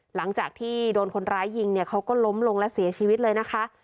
หลังจากที่โดนคนร้ายยิงเนี่ยเขาก็ล้มลงและเสียชีวิตเลยนะคะ